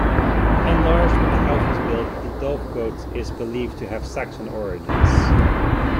Enlarged when the house was built, the dovecote is believed to have Saxon origins.